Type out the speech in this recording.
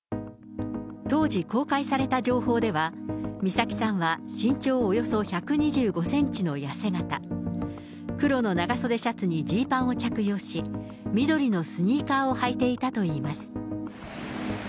当時公開された情報では、美咲さんは身長およそ１２５センチの痩せ形、黒の長袖シャツにジーパンを着用し、緑のスニーカーを履いていたといいます。